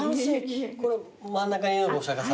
この真ん中にいるのがお釈迦様？